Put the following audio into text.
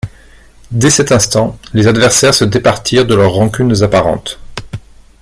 Dès cet instant, les adversaires se départirent de leurs rancunes apparentes.